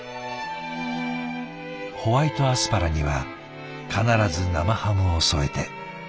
ホワイトアスパラには必ず生ハムを添えて。